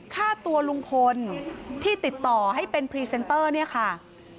ค่าตัวลุงพลที่ติดต่อให้เป็นพรีเซนเตอร์เนี่ยค่ะ